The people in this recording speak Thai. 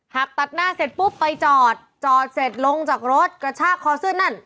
หักตัดหน้าเสร็จปุ๊บไปจอดจอดเสร็จลงจากรถกระชากคอเสื้อนั่น